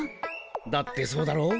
だってそうだろ。